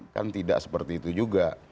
kan tidak seperti itu juga